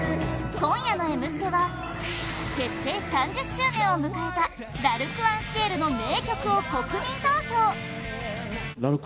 今夜の「Ｍステ」は結成３０周年を迎えたＬ’ＡｒｃｅｎＣｉｅｌの名曲を国民投票！